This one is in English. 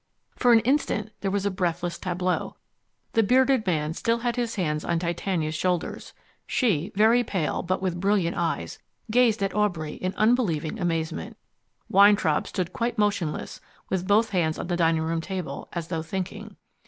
For an instant there was a breathless tableau. The bearded man still had his hands on Titania's shoulders. She, very pale but with brilliant eyes, gazed at Aubrey in unbelieving amazement. Weintraub stood quite motionless with both hands on the dining table, as though thinking.